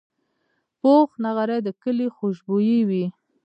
پوخ نغری د کلي خوشبويي وي